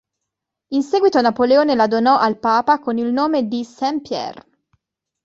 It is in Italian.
In seguito Napoleone la donò al Papa con il nome di "Saint Pierre".